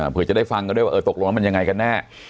เพื่อจะได้ฟังกันด้วยว่าเออตกลงแล้วมันยังไงกันแน่